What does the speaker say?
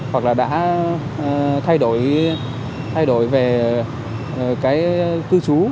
hoặc là đã thay đổi về cư trú